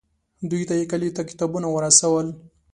دوی ته یې کلیو ته کتابونه ورسول.